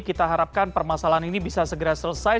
kita harapkan permasalahan ini bisa segera selesai